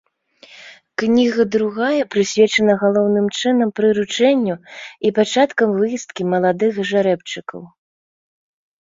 Кніга другая прысвечана галоўным чынам прыручэнню і пачаткам выездкі маладых жарэбчыкаў.